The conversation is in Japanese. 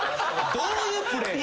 どういうプレー？